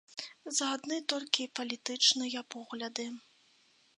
За адны толькі палітычныя погляды.